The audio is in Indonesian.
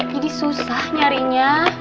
jadi susah nyarinya